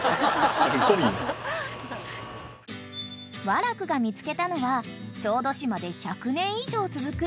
［和楽が見つけたのは小豆島で１００年以上続く］